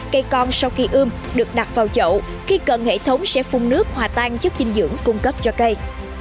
cây con sau khi ươm được đặt vào chậu khi cần hệ thống sẽ phun nước hòa tan chất dinh dưỡng cung cấp cho cây